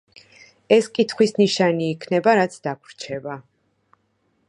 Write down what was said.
ეს კითხვის ნიშანი იქნება რაც დაგვრჩება.